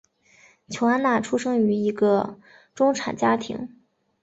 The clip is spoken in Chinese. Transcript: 琼安娜出生于一个中产家庭。